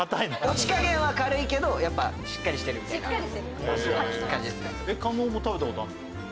持ち加減は軽いけどやっぱしっかりしてるみたいな感じですね。